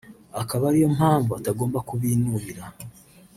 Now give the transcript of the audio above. akaba ari yo mpamvu atagomba kubinubira